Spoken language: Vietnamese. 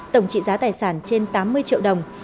tổng trị giá tài sản trên tám mươi triệu đồng